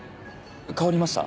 変わりました？